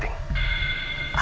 jangan mikir nih